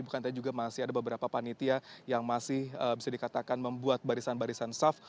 bukan tadi juga masih ada beberapa panitia yang masih bisa dikatakan membuat barisan barisan saf